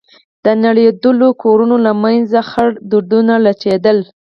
د نړېدلو کورونو له منځه خړ دودونه لټېدل.